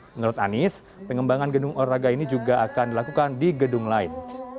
menurut anies pengembangan gedung olahraga ini juga akan dilakukan di gedung lain